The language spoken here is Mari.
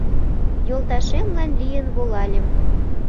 Йолташемлан лийын волальым.